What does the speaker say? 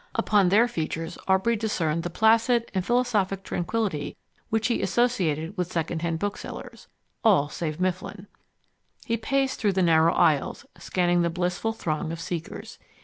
Upon their features Aubrey discerned the placid and philosophic tranquillity which he associated with second hand booksellers all save Mifflin. He paced through the narrow aisles, scanning the blissful throng of seekers.